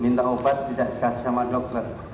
minta obat tidak dikasih sama dokter